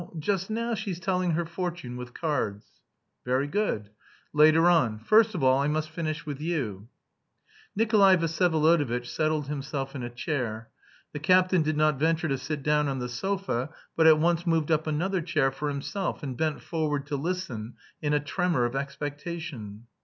just now she's telling her fortune with cards...." "Very good. Later on. First of all I must finish with you." Nikolay Vsyevolodovitch settled himself in a chair. The captain did not venture to sit down on the sofa, but at once moved up another chair for himself, and bent forward to listen, in a tremor of expectation.